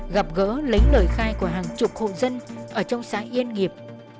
gặp gỡ lấy lời khai của anh nam